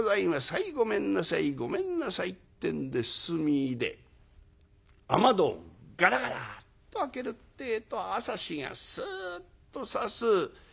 はいごめんなさいごめんなさい」ってんで進みいで雨戸をガラガラッと開けるってえと朝日がスッとさす。